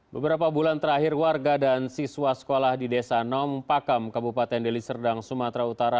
beberapa bulan terakhir warga dan siswa sekolah di desa nom pakam kabupaten deliserdang sumatera utara